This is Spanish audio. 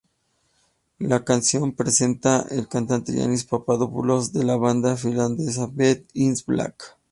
La canción presenta al cantante Yannis Papadopoulos de la banda finlandesa Beast In Black.